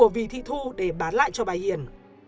vì thị thu để bán lại cho bà hiền